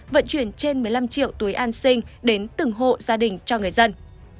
vận chuyển trên một mươi năm triệu túi an sinh đến từng hộ gia đình cho người dân